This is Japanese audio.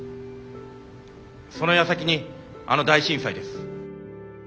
そのやさきにあの大震災です。